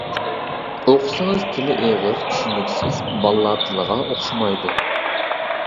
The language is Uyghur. ئوقۇسىڭىز تىلى ئېغىر، چۈشىنىكسىز، بالىلار تىلىغا ئوخشىمايدۇ.